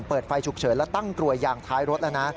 เปิดไฟฉุกเฉินและตั้งกลวยยางท้ายรถแล้วนะ